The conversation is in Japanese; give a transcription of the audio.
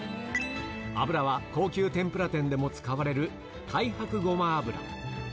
油は高級天ぷら店でも使われる太白ごま油。